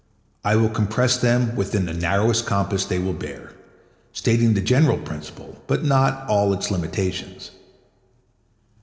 I will compress them within the narrowest compass they will bear, stating the general principle, but not all its limitations.